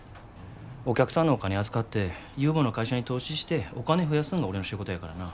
お客さんのお金預かって有望な会社に投資してお金増やすんが俺の仕事やからな。